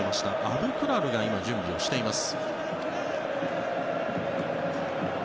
アブクラルが今、準備をしています。